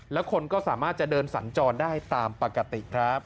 แล้วคนก็สามารถจะเดินสัญจรได้ตามปกติครับ